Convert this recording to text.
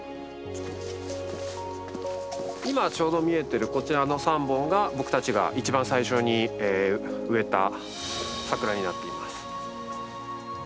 今、ちょうど見えてるこちらの３本が、僕たちが一番最初に植えた桜になっています。